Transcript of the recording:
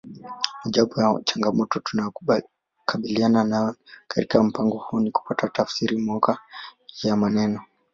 Mojawapo ya changamoto tunayokabiliana nayo katika mpango huu ni kupata tafsiri mwafaka ya maneno